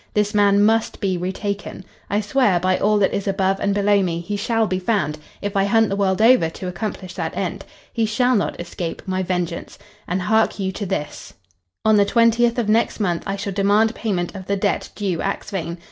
This man must be retaken. I swear, by all that is above and below me, he shall be found, if I hunt the world over to accomplish that end. He shall not escape my vengeance! And hark you to this: On the twentieth of next month I shall demand payment of the debt due Axphain.